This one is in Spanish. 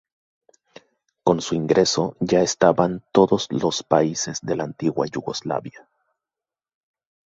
Con su ingreso ya estaban todos los países de la antigua Yugoslavia.